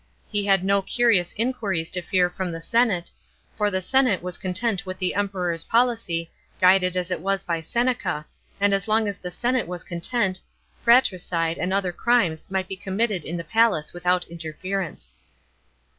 He had no curious inquiries to tear from the senate ; for the senate was content with the Emperor's 55 A.D. DEATH OF BKITANNICUS. 277 policy, guided as it was by Seneca, and as long as the senate was content, fratricide and other crimes might be committed in the palace without interference.